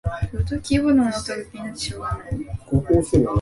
キーボードの音が気になってしょうがない